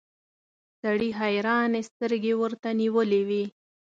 سړي حيرانې سترګې ورته نيولې وې.